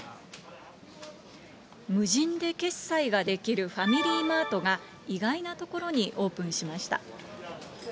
無人で決済ができるファミリーマートが、意外な所にオープンしました。